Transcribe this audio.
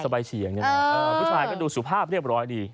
สบายเฉียงผู้ชายก็ดูสุภาพเรียบร้อยดี